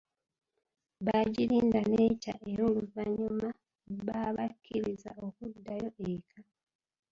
Baagirinda nekya era oluvanyuma baabakkiriza okuddayo eka.